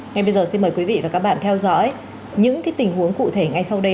ngay bây giờ xin mời quý vị và các bạn theo dõi những tình huống cụ thể ngay sau đây